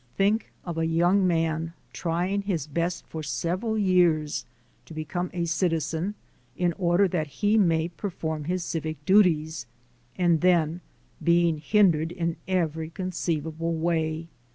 Think of a young man trying his best for several years to become a citizen in order that he may perform his civic duties, and then being hindered in every conceivable way.